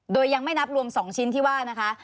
โดยยังไม่นับรวม๒ชิ้นที่ว่านะคะ